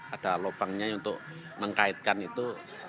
ada lubangnya untuk mengkaitkan itu